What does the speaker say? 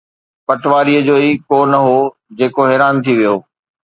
پٹواريءَ جو ئي ڪو نه هو، جيڪو حيران ٿي ويو.